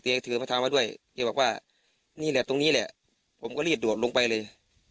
ถือมะเท้ามาด้วยแกบอกว่านี่แหละตรงนี้แหละผมก็รีบโดดลงไปเลย